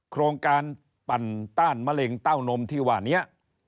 โครงการปั่นต้านมะเร็งเต้านมที่ว่านี้